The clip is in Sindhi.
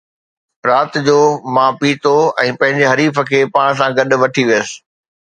رات جو، مان پيتو ۽ پنهنجي حریف کي پاڻ سان گڏ وٺي ويس